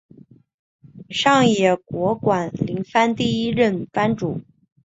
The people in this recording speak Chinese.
上野国馆林藩第一任藩主。